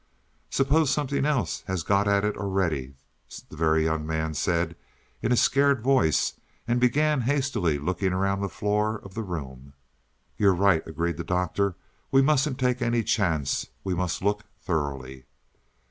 "Suppose something else has got at it already," the Very Young Man said in a scared voice, and began hastily looking around the floor of the room. "You're right," agreed the Doctor. "We mustn't take any chance; we must look thoroughly."